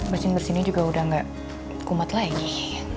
bersin bersini juga udah gak kumat lagi